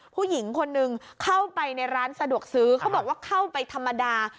ผู้หญิงคนนึงเข้าไปในร้านสะดวกซื้อเขาบอกว่าเข้าไปธรรมดา